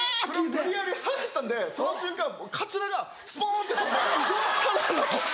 無理やり剥がしたんでその瞬間カツラがスポンって飛んでただの。